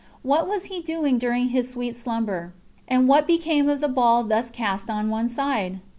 What was He doing during His sweet slumber, and what became of the ball thus cast on one side?